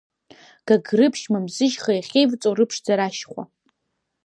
Гагрыԥшь, Мамзышьха, иахьеивҵоу рыԥшӡара ашьхәа.